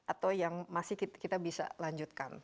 atau yang masih kita bisa lanjutkan